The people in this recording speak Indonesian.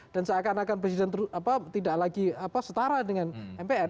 dan seakan akan presiden tidak lagi setara dengan mpr